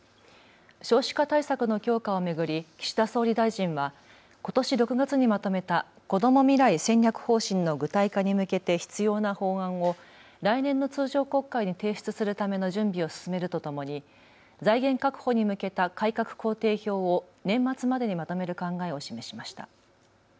少子化対策の強化を巡り岸田総理大臣はことし６月にまとめたこども未来戦略方針の具体化に向けて必要な法案を来年の通常国会に提出するための準備を進めるとともに財源確保に向けた改革工程表を年末までにまとめる考えを示しました。